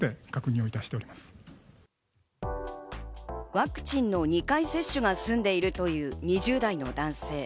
ワクチンの２回接種が済んでいるという２０代の男性。